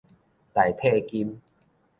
代替金